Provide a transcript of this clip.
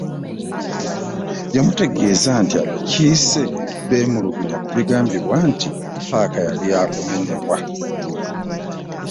Yamutegeeza nti abakiise beemulugunya ku bigambibwa nti ppaaka yali ya kumenyebwa.